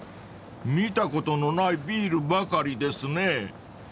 ［見たことのないビールばかりですね］